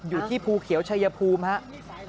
อยู่ที่ภูเขียวชัยภูมิครับ